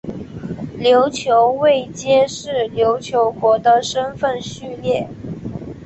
琉球位阶是琉球国的身分序列。